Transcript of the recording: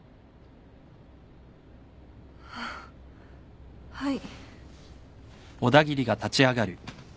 はっはい。